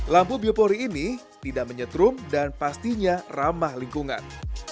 lampu biopori ini tidak menyetrum dan pastinya ramah lingkungan